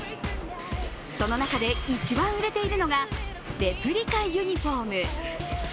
その中で一番売れているのがレプリカユニフォーム。